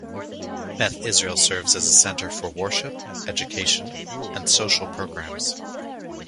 Beth Israel serves as a center for worship, education, and social programs.